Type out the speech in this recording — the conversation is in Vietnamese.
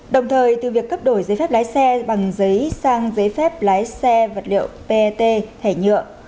đồng thời từ việc cấp đổi giấy phép lái xe bằng giấy